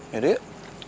ya udah yuk